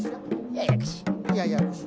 ややこしや。